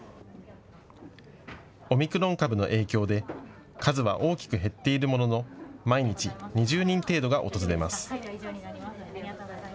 オミクロン株の影響で数は大きく減っているものの毎日２０人程度が訪れます。